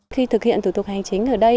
khi thực hiện thủ tục hành chính ở đây